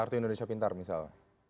kartu indonesia pintar misal